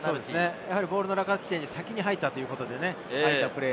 ボールの落下地点に先に入ったということでした。